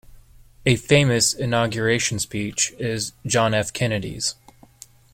A famous inauguration speech is John F. Kennedy's.